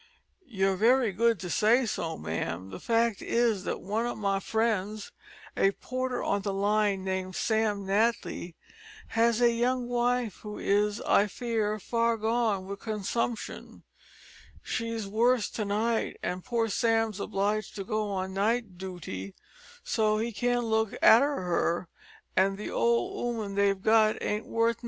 "You're very good to say so, ma'am. The fact is that one o' my friends, a porter on the line, named Sam Natly, has a young wife who is, I fear, far gone wi' consumption; she's worse to night an' poor Sam's obliged to go on night dooty, so he can't look arter her, an' the old 'ooman they've got ain't worth nothin'.